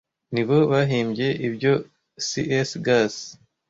ni bo bahimbye ibyo CS Gas